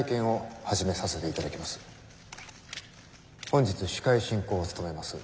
本日司会進行を務めます